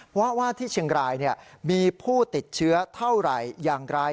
เพราะว่าที่เชียงรายมีผู้ติดเชื้อเท่าไหร่อย่างไร